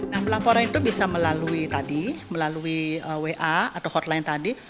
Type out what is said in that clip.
nah pelaporan itu bisa melalui tadi melalui wa atau hotline tadi